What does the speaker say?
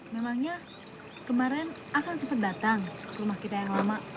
memangnya kemarin akan cepat datang ke rumah kita yang lama